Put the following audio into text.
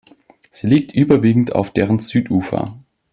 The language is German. Sie liegt überwiegend auf deren Südufer.